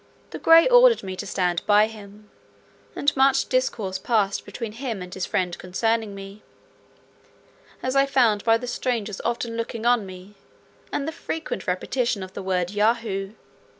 The gray ordered me to stand by him; and much discourse passed between him and his friend concerning me, as I found by the stranger's often looking on me, and the frequent repetition of the word Yahoo.